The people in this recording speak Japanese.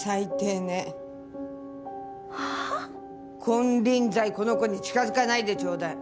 金輪際この子に近づかないでちょうだい。